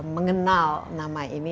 mengenal nama ini